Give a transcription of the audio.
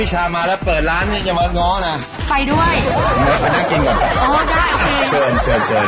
เชิญ